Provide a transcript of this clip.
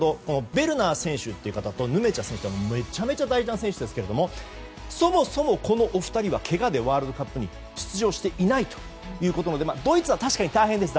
ヴェルナー選手とヌメチャ選手はめちゃめちゃ代表選手ですがそもそもこのお二人はけがでワールドカップに出場していないということでドイツは確かに大変です。